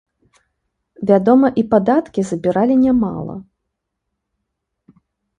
Вядома, і падаткі забіралі нямала.